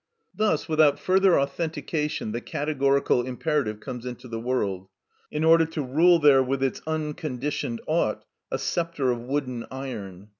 Thus, without further authentication, the categorical imperative comes into the world, in order to rule there with its unconditioned ought—a sceptre of wooden iron.